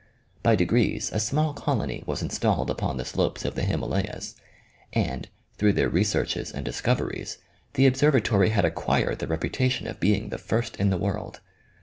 By degrees a small col ony was installed upon the slopes of the Himalayas, and, through their researches and discoveries, the observatory had acquired the reputation of being the first in the world.